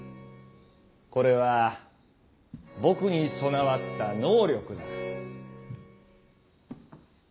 これは僕に備わった「能力」だ。